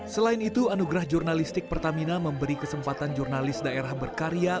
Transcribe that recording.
selain itu anugerah jurnalistik pertamina memberi kesempatan jurnalis daerah berkarya